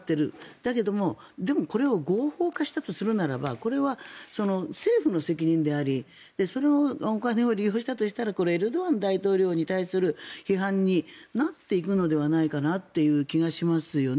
だけども、でもこれを合法化したとするならばこれは政府の責任でありそのお金を利用したとすればエルドアン大統領に対する批判になっていくのではないかなという気がしますよね。